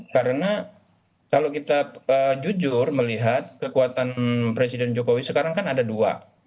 karena kalau kita jujur melihat kekuatan presiden jokowi sekarang kan ada dua